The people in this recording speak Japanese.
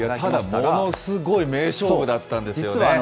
ただものすごい名勝負だったんですよね。